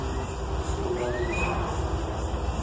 ښکلا د انسان په سترګو کې وي.